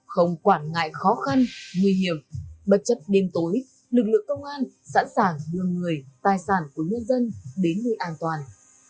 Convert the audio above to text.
không quản ngại khó khăn nguy hiểm bất chấp đêm tối lực lượng công an sẵn sàng đưa người tài sản của nhân dân đến nơi an toàn